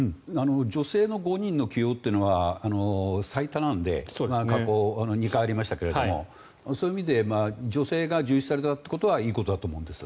女性の５人の起用というのは最多なので過去２回ありましたけれどもそういう意味で女性が重視されたことはいいことだと思うんです。